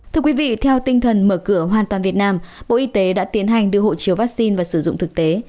thưa quý vị theo tinh thần mở cửa hoàn toàn việt nam bộ y tế đã tiến hành đưa hộ chiếu vaccine và sử dụng thực tế